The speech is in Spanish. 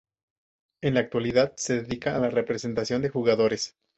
En la actualidad se dedica a la representación de jugadores.